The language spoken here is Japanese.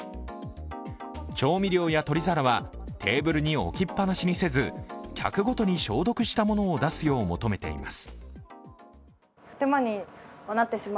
調味料や取り皿はテーブルに置きっぱなしにせず客ごとに消毒したものを出すよう求めています。